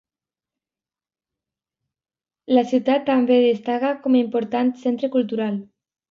La ciutat també destaca com a important centre cultural.